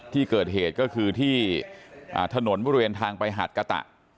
ที่เกิดเหตุก็คือที่ถนนบริเวณทางไปหาดกะตะ